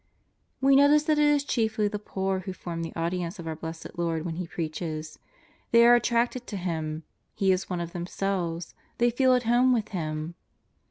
We notice that it is chiefly the poor Tvho form the audience of our Blessed Lord when He preaches. They are attracted to Him. He is one of themselves, they feel at home with Him.